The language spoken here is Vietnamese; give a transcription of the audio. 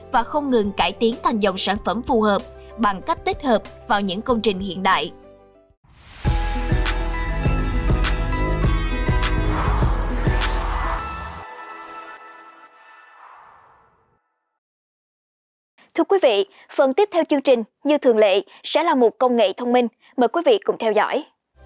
và không ngừng cải tiến thành dòng sản phẩm phù hợp bằng cách tích hợp vào những công trình hiện đại